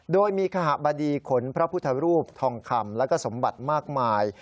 โดยมีขหบดีขนพระพุทธรูปทองคำแล้วก็สมบัติมากมาย